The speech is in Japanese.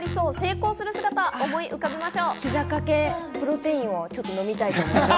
ひざ掛けプロテインを飲みたいと思います。